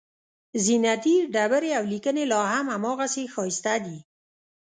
زینتي ډبرې او لیکنې لاهم هماغسې ښایسته دي.